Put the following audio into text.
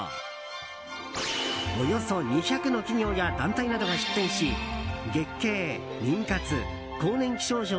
およそ２００の企業や団体などが出展し月経、妊活、更年期症状